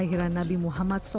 ini berapa juta juta